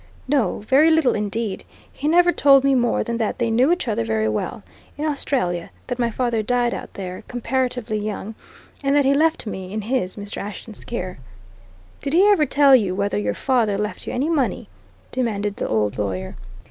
"No, very little indeed. He never told me more than that they knew each other very well, in Australia, that my father died out there, comparatively young, and that he left me in his, Mr. Ashton's care." "Did he ever tell you whether your father left you any money?" demanded the old lawyer.